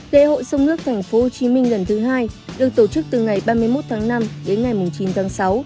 lễ hội sông nước tp hcm lần thứ hai được tổ chức từ ngày ba mươi một tháng năm đến ngày chín tháng sáu